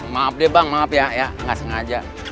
maaf deh bang maaf ya gak sengaja